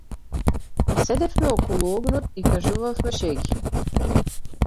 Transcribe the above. Седевме околу огнот и кажувавме шеги.